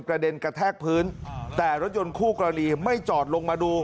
กระเด็นกระแทกพื้นแต่รถยนต์คู่กรณีไม่จอดลงมาดู